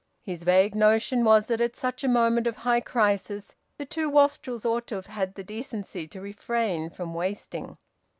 His vague notion was that at such a moment of high crisis the two wastrels ought to have had the decency to refrain from wasting.